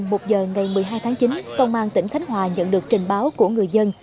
hôm một mươi hai tháng chín công an tỉnh khánh hòa nhận được trình báo của người dân